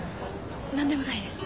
なんでもないです。